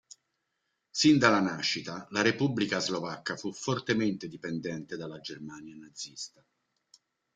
Sin dalla nascita, la Repubblica Slovacca fu fortemente dipendente dalla Germania nazista.